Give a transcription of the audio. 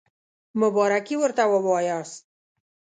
مبارکي ورته ووایاست.